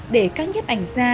để các nhấp ảnh gia